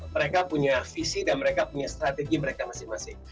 mereka punya visi dan mereka punya strategi mereka masing masing